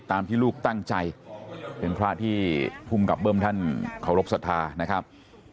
ตามที่ลูกตั้งใจเป็นพระที่ภูมิกับเบิ้มท่านเคารพสัทธานะครับ